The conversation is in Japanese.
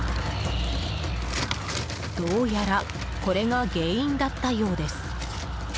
どうやら、これが原因だったようです。